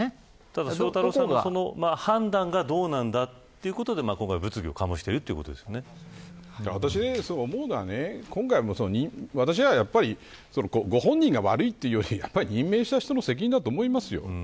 ただ翔太郎さんのその判断がどうなんだということが私が思うのはご本人が悪いというより任命した人の責任だと思います。